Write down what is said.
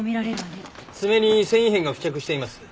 爪に繊維片が付着しています。